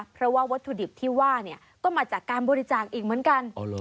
เพราะว่าวัตถุดิบที่ว่าเนี่ยก็มาจากการบริจาคอีกเหมือนกัน